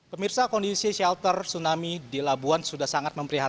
pemirsa kondisi shelter tsunami di labuan sudah sangat memprihatkan